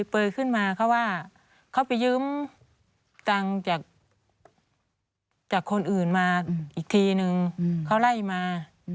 ปล่อยขึ้นมาเขาว่าเขาไปเยื้มจังจากคนอื่นมาอีกทีหนึ่งเขาไล่มา